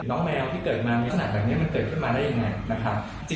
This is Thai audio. น้องแมวที่เกิดมามีลักษณะแบบนี้มันเกิดขึ้นมาได้ยังไง